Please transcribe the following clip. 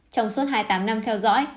trong suốt hai mươi tám năm theo dõi